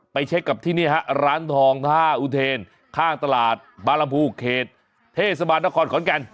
เช็คกับที่นี่ฮะร้านทองท่าอุเทนข้างตลาดบาลำพูเขตเทศบาลนครขอนแก่น